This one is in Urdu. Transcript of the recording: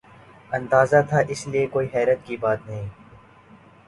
اندازہ تھا ، اس لئے کوئی حیرت کی بات نہیں ۔